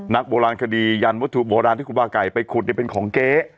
นักโบราณคดียันวธุโบราณที่ครูปาไก่ไปขุดเนี่ยเป็นของเก๊